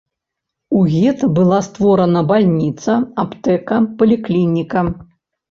У гета была створана бальніца, аптэка, паліклініка.